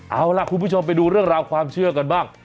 เอาล่ะคุณผู้ชมไปดูเรื่องราวความเชื่อกันบ้าง